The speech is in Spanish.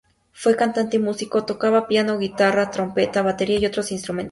Fue cantante y músico, tocaba piano, guitarra, trompeta, batería y otros instrumentos.